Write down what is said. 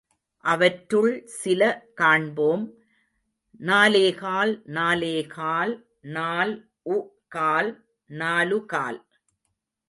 அவற்றுள் சில காண்போம் நாலேகால் நால் கால் நால் உ கால் நாலுகால்.